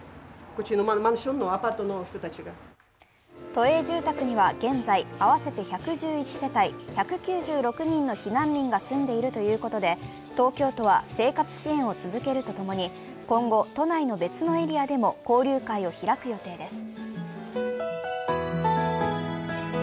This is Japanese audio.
都営住宅には現在、合わせて１１１世帯１９６人の避難民が住んでいるということで、東京都は生活支援を続けるとともに、今後、都内の別のエリアでも交流会を開く予定です。